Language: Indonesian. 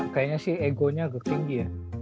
kayaknya sih egonya agak tinggi ya